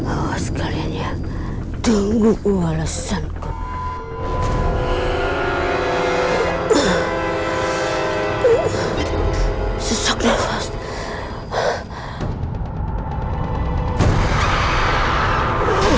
awas kalian ya tunggu saya akan melakukan alasan